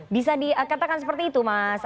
bisa dikatakan seperti itu mas